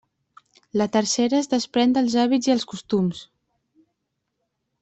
La tercera es desprèn dels hàbits i els costums.